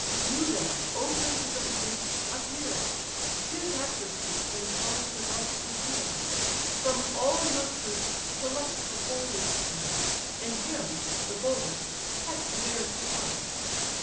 You then, O princes of the Greeks! appear; 'Tis Hector speaks, and calls the gods to hear: From all your troops select the boldest knight, And him, the boldest, Hector dares to fight.